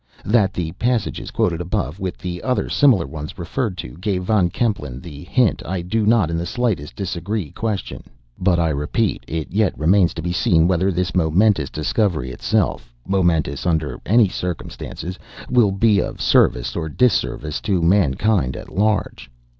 That the passages quoted above, with the other similar ones referred to, gave Von Kempelen the hint, I do not in the slightest degree question; but I repeat, it yet remains to be seen whether this momentous discovery itself (momentous under any circumstances) will be of service or disservice to mankind at large.